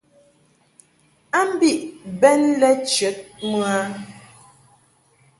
A mbiʼ bɛn lɛ chəd mɨ a.